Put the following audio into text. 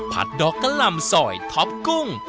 ผัดดอกกะล่ำสอยท็อปกุ้ง